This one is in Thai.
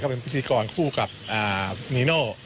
เป็นพิธีกรคู่กับนีโน่